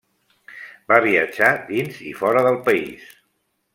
Va viatjar dins i fora del país.